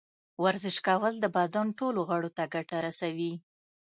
ورزش کول د بدن ټولو غړو ته ګټه رسوي.